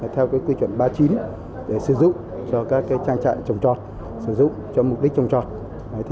theo quy chuẩn ba mươi chín để sử dụng cho các trang trại trồng trọt sử dụng cho mục đích trồng trọt